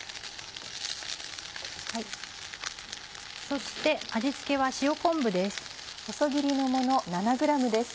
そして味付けは塩昆布です。